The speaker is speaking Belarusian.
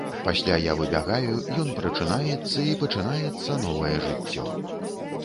Пасля я выбягаю, ён прачынаецца, і пачынаецца новае жыццё.